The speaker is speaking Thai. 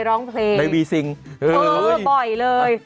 ชอบคำไหมร้องเพลงบ่อยเลย